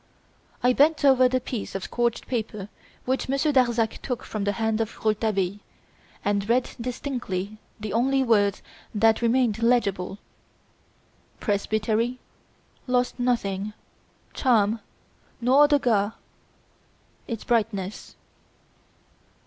I bent over the piece of scorched paper which Monsieur Darzac took from the hand of Rouletabille, and read distinctly the only words that remained legible: "Presbytery lost nothing charm, nor the gar its brightness."